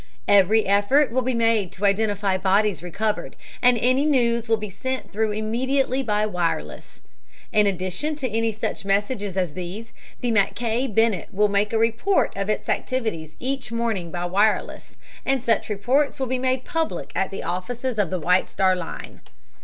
"Every effort will be made to identify bodies recovered, and any news will be sent through immediately by wireless. In addition to any such message as these, the Mackay Bennett will make a report of its activities each morning by wireless, and such reports will be made public at the offices of the White Star Line.